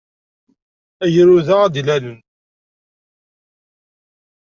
Agrud-a ara d-ilalen.